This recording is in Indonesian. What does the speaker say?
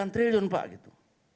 sembilan triliun pak gitu